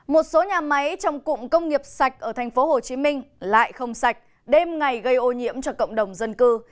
một số nhà máy trong cụm công nghiệp sạch ở tp hcm lại không sạch đêm ngày gây ô nhiễm cho cộng đồng dân cư